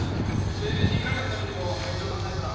で逃げられへんためにも配置を考えんとな。